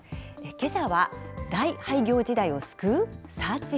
けさは、大廃業時代を救う？